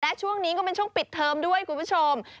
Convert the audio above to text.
และช่วงนี้ก็เป็นช่วงปิดเทอมด้วยคุณผู้ชม